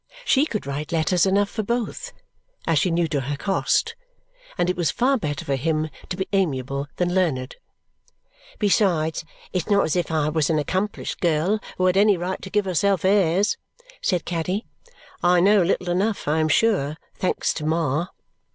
She could write letters enough for both, as she knew to her cost, and it was far better for him to be amiable than learned. "Besides, it's not as if I was an accomplished girl who had any right to give herself airs," said Caddy. "I know little enough, I am sure, thanks to Ma!